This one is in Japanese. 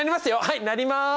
はいなります。